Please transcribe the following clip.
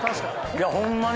いやホンマに。